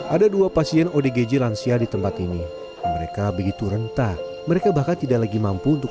ada dua pasien odgj lansia di tempat ini mereka begitu rentah mereka bahkan tidak lagi mampu untuk